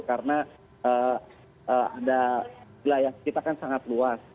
karena ada wilayah kita kan sangat luas